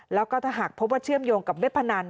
แล้วก็ถ้าหากพบว่าเชื่อมโยงกับเว็บพนัน